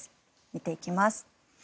見ていきます。